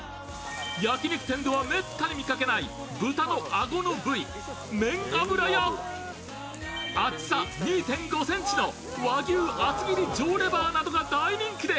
焼肉店ではめったに見かけない豚の顎の部位、面脂や、厚さ２．５ｃｍの和牛厚切り上レバーなどが大人気で